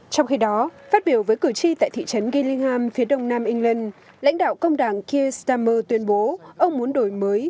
trong khi đó phát biểu với cử tri tại thị trấn gillingham phía đông nam england lãnh đạo công đảng kia stammer tuyên bố ông muốn đổi mới